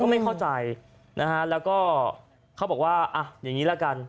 ไม่เข้าใจนะฮะแล้วก็เขาบอกว่าอ่ะอย่างนี้ละกัน